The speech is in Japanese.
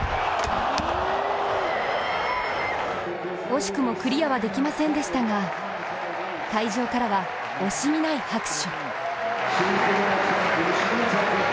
惜しくもクリアはできませんでしたが、会場からは惜しみない拍手。